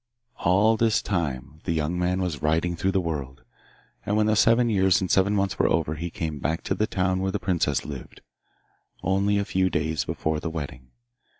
All this time the young man was riding through the world, and when the seven years and seven months were over he came back to the town where the princess lived only a few days before the wedding.